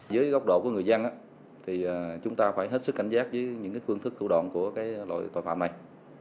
với góc độ của người dân thì chúng ta phải hết sức cảnh giác với những phương thức thủ đoạn của loại tội phạm này